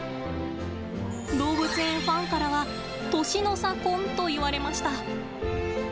動物園ファンからは年の差婚といわれました。